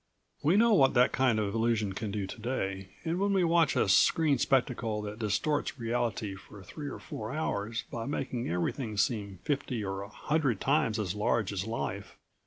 We know what that kind of illusion can do today and when we watch a screen spectacle that distorts reality for three or four hours by making everything seem fifty or a hundred times as large as life